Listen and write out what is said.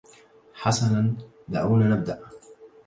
حسناً، دعونا نبدأ!